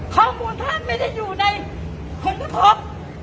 ข้อมูลท่านไม่ได้อยู่ในผลกระทบ